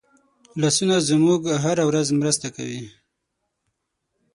لاسونه زموږ هره ورځي مرسته کوي